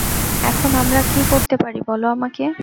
এখন আমরা কী করতে পারি বলো আমাকে।